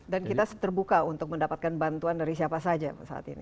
dan kita terbuka untuk mendapatkan bantuan dari siapa saja saat ini